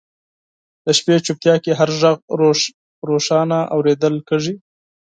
د شپې چوپتیا کې هر ږغ روښانه اورېدل کېږي.